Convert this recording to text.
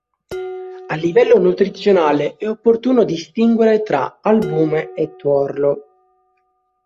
A livello nutrizionale è opportuno distinguere tra albume e tuorlo.